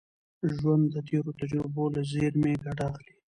ژوند د تېرو تجربو له زېرمي ګټه اخلي.